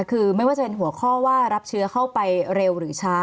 คือไม่ว่าจะเป็นหัวข้อว่ารับเชื้อเข้าไปเร็วหรือช้า